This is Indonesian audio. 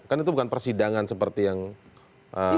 kan itu bukan persidangan seperti yang dilakukan